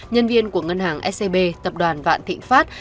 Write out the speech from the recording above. nhân viên của ngân hàng scb tập đoàn vạn thịnh pháp